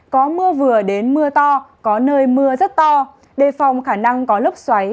có mưa vừa đến mưa to có nơi mưa rất to đề phòng khả năng có lốc xoáy